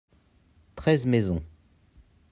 treize maisons.